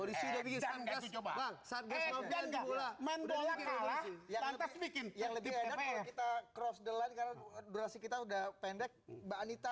menjaga menjaga yang lebih kita cross the line berhasil kita udah pendek mbak anita